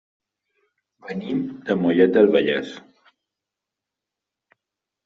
Venim de Mollet del Vallès.